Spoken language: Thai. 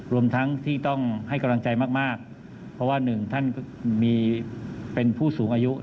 รวมทั้งที่ต้องให้กำลังใจมากเพราะว่าหนึ่งท่านก็มีเป็นผู้สูงอายุ